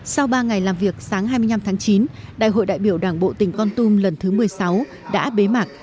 sau ba ngày làm việc sáng hai mươi năm tháng chín đại hội đại biểu đảng bộ tỉnh con tum lần thứ một mươi sáu đã bế mạc